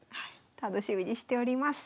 楽しみにしております。